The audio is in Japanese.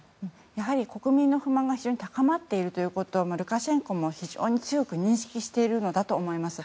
やはり国民の不満が非常に高まっているということをルカシェンコも非常に強く認識しているのだと思います。